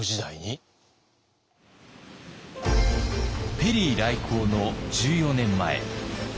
ペリー来航の１４年前。